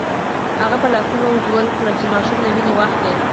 هغه خپل لاسونه اوږده کړل چې ماشوم له مينې واخلي.